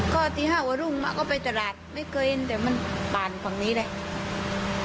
ก็ตี๕กว่ารุ่งมาก็ไปตลาดไม่เคยเห็นแต่มันผ่านฝั่งนี้แหละ